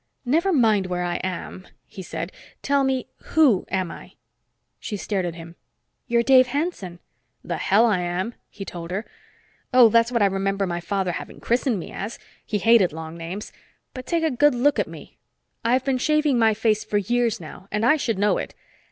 "Never mind where I am," he said. "Tell me, who am I?" She stared at him. "You're Dave Hanson." "The hell I am," he told her. "Oh, that's what I remember my father having me christened as. He hated long names. But take a good look at me. I've been shaving my face for years now, and I should know it.